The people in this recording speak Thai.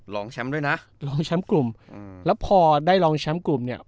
ลองแชมป์ด้วยนะลองแชมป์กลุ่มอืมแล้วพอได้ลองแชมป์กลุ่มเนี่ย